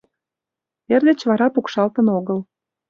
Эр деч вара пукшалтын огыл.